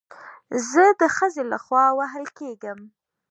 زه د خځې له خوا وهل کېږم